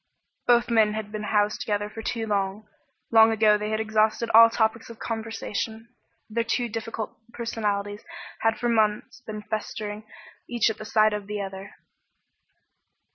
Both men had been housed together for too long. Long ago they had exhausted all topics of conversation, their two difficult personalities had for months been festering, each at the sight of the other.